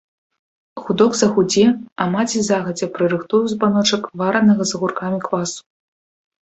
Гудок загудзе, а маці загадзя прырыхтуе ў збаночак варанага з агуркамі квасу.